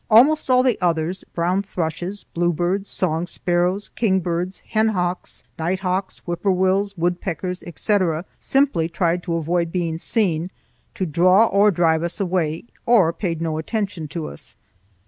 Almost all the others—brown thrushes, bluebirds, song sparrows, kingbirds, hen hawks, nighthawks, whip poor wills, woodpeckers, etc.—simply tried to avoid being seen, to draw or drive us away, or paid no attention to us.